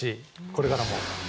これからも。